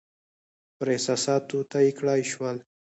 پر احساساتو طی کړای شول.